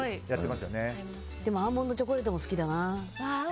でもアーモンドチョコレートも好きだな。